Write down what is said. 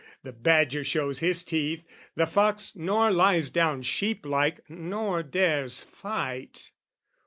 The badger shows his teeth: The fox nor lies down sheep like nor dares fight.